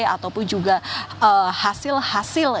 ataupun juga hasil hasil